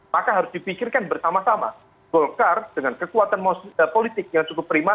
maka harus dipikirkan bersama sama golkar dengan kekuatan politik yang cukup prima